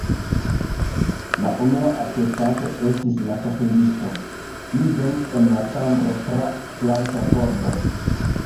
La unua atestanto estis la Ĉapelisto. Li venis en la ĉambron tra flanka pordo.